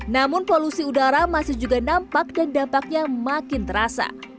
namun polusi udara masih juga nampak dan dampaknya makin terasa